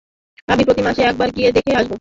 আমি প্রতিমাসে একবার গিয়ে দেখে আসতাম।